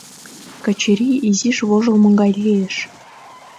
Качыри изиш вожылмо гай лиеш.